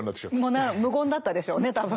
もう無言だったでしょうね多分。